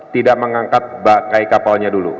tidak mengangkat bangkai kapalnya dulu